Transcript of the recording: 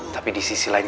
tapi di sisi lain